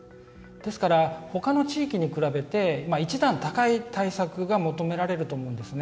ですから、ほかの地域に比べて一段高い対策が求められると思うんですね。